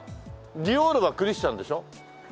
ディオールはクリスチャンでしょ。